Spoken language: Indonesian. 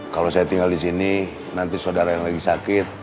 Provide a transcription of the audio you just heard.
kalau saya tinggal di sini nanti saudara yang lagi sakit